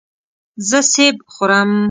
زه سیب خورم.